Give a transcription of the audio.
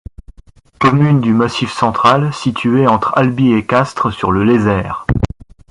Commune du Massif central située entre Albi et Castres, sur le Lézert.